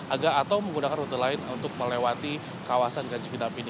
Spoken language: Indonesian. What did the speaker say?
atau menggunakan rute lain untuk melewati kawasan ganjinak ini